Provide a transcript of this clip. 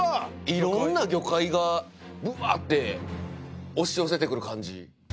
色んな魚介がブワーッて押し寄せてくる感じ